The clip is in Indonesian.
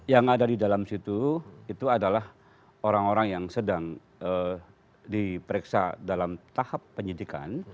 yang ada di dalam situ itu adalah orang orang yang sedang diperiksa dalam tahap penyidikan